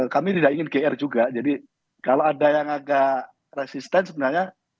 capt oriol juga menyatakan ini